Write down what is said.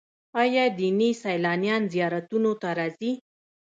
آیا دیني سیلانیان زیارتونو ته راځي؟